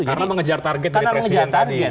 karena mengejar target dari presiden tadi